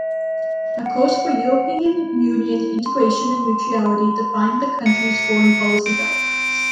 A course for European Union integration and neutrality define the country's foreign policy guidelines.